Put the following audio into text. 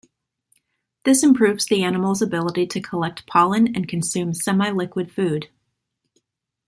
This improves the animal's ability to collect pollen and consume semi-liquid food.